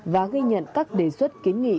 và ghi nhận các đề xuất kiến nghị